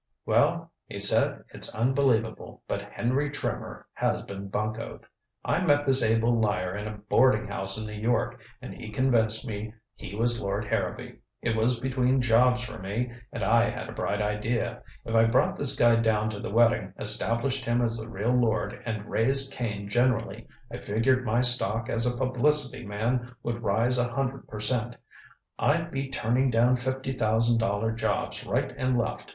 "Well," he said, "it's unbelievable, but Henry Trimmer has been buncoed. I met this able liar in a boarding house in New York, and he convinced me he was Lord Harrowby. It was between jobs for me, and I had a bright idea. If I brought this guy down to the wedding, established him as the real lord, and raised Cain generally, I figured my stock as a publicity man would rise a hundred per cent. I'd be turning down fifty thousand dollar jobs right and left.